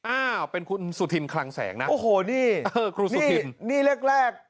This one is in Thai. อ้าวเป็นคุณสุธินคลังแสงนะโอ้โหนี่ครูสุธินนี่แรกแรก